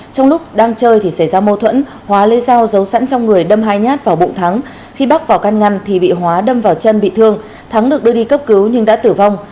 trong lúc đang chơi thì xảy ra mâu thuẫn hóa lấy dao giấu sẵn trong người đâm hai nhát vào bụng thắng khi bắc vào căn ngăn thì bị hóa đâm vào chân bị thương thắng được đưa đi cấp cứu nhưng đã tử vong